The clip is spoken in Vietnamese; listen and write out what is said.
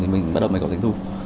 thì mình bắt đầu mới có danh thu